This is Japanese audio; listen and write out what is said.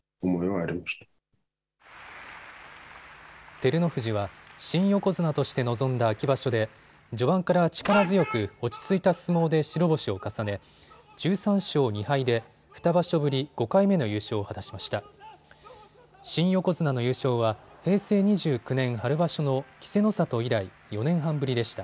照ノ富士は新横綱として臨んだ秋場所で序盤から力強く落ち着いた相撲で白星を重ね、１３勝２敗で２場所ぶり５回目の優勝を果たしました。